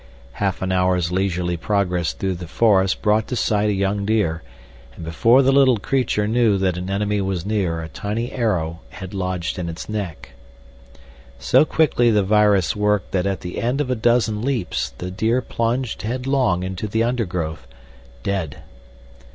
Half an hour's leisurely progress through the forest brought to sight a young deer, and before the little creature knew that an enemy was near a tiny arrow had lodged in its neck. So quickly the virus worked that at the end of a dozen leaps the deer plunged headlong into the undergrowth, dead.